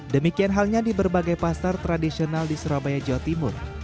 demikian halnya di berbagai pasar tradisional di surabaya jawa timur